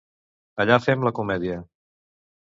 Allà fem la comèdia.